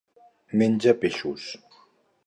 Menja peixos.